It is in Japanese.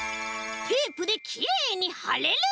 「テープできれいにはれる」！